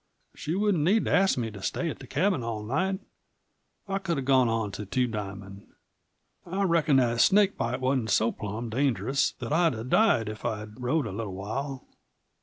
... She wouldn't need to ask me to stay at the cabin all night. I could have gone on to the Two Diamond. I reckon that snake bite wasn't so plum dangerous that I'd have died if I'd have rode a little while."